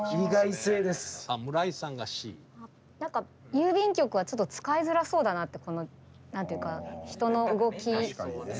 郵便局はちょっと使いづらそうだなって何ていうか人の動き。